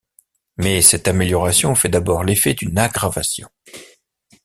Mais cette amélioration fait d’abord l’effet d’une aggravation.